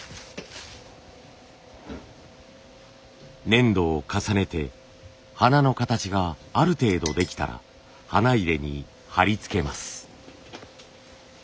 粘土を重ねて花の形がある程度できたら花入れに貼り付けます。